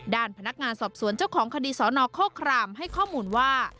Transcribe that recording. ด้านพนักงานสอบสวนเจ้าของคดีสนโฆครามให้ข้อมูลว่า